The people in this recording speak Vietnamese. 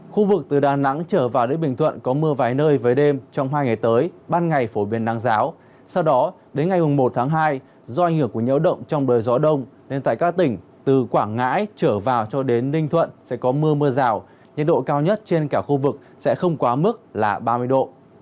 khu vực từ đà nẵng trở vào đến bình thuận có mưa vài nơi với đêm trong hai ngày tới ban ngày phổ biến nắng giáo sau đó đến ngày một tháng hai do ảnh hưởng của nhấu động trong đời gió đông nên tại các tỉnh từ quảng ngãi trở vào cho đến ninh thuận sẽ có mưa mưa rào nhiệt độ cao nhất trên cả khu vực sẽ không quá mức là ba mươi độ